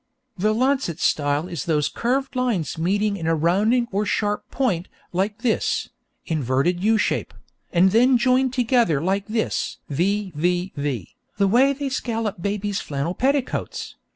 _ _The Lancet style is those curved lines meeting in a rounding or a sharp point like this [inverted U shape] /\, and then joined together like this \/\/\/, the way they scallop babies' flannel petticoats.